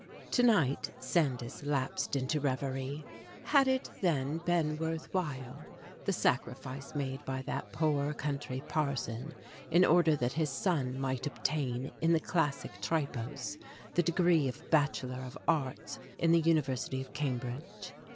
To night Sandys lapsed into reverie. Had it, then, been worth while the sacrifice made by that poor country parson in order that his son might obtain in the Classical Tripos the degree of Bachelor of Arts in the University of Cambridge?